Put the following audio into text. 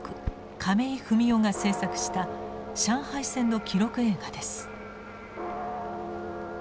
亀井文夫が制作した上海戦の記録映画です。